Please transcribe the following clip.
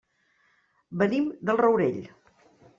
Venim del Rourell.